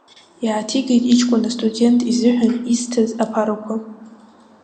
Иааҭигеит иҷкәын астудент изыҳәан исҭаз аԥарақәа.